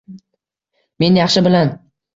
Men yaxshi bilan –